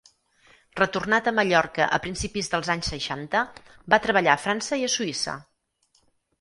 Retornat a Mallorca a principis dels anys seixanta, va treballar a França i a Suïssa.